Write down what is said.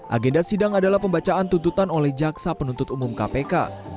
agenda sidang adalah pembacaan tuntutan oleh jaksa penuntut umum kpk